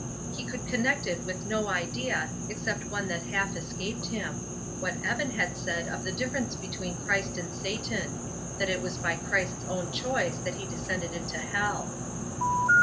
He could connect it with no idea except one that half escaped him what Evan had said of the difference between Christ and Satan; that it was by Christ's own choice that He descended into hell.